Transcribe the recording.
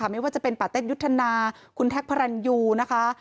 ไม่ว่าจะเป็นปาเต็ดยุทธนาคุณแท็กพระรันยูนะคะ